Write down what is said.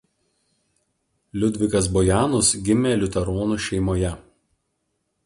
Liudvigas Bojanus gimė liuteronų šeimoje.